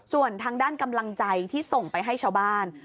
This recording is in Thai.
ส่วนทางด้านกำลังใจที่ส่งไปให้ชาวบ้าน